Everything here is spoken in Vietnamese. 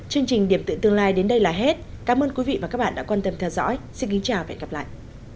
xin chào và hẹn gặp lại